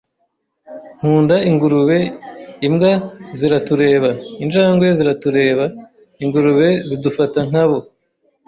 Nkunda ingurube. Imbwa ziratureba. Injangwe ziratureba. Ingurube zidufata nkabo.